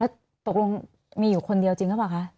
แล้วตกลงมีอยู่คนเดียวจริงหรือเปล่าคะ